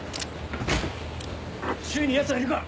周囲にヤツはいるか？